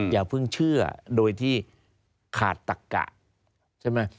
อย่าเพิ่งเชื่อโดยถ้าคาดตกกะ